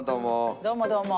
どうもどうも。